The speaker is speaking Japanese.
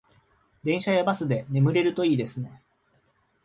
電車やバスで眠れるといいですね